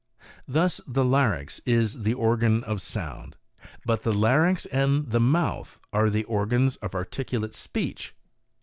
Thus the larynx is the organ of sound; but the larynx and mouth are the organs of articulate speech.